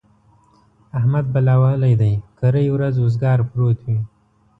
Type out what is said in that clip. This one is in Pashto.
احمد بلا وهلی دی؛ کرۍ ورځ اوزګار پروت وي.